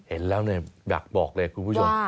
เห็นแล้วอยากบอกเลยคุณผู้ชม